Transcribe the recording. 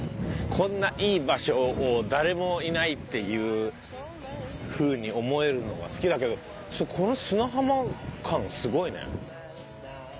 こんないい場所を誰もいないっていうふうに思えるのは好きだけどちょっとこの砂浜感すごいね。